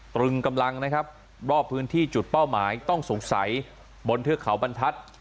ตรึงกำลังนะครับรอบพื้นที่จุดเป้าหมายต้องสงสัยบนเทือกเขาบรรทัศน์